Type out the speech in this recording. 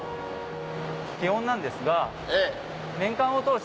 気温なんですが。